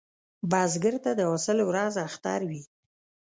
بزګر ته د حاصل ورځ اختر وي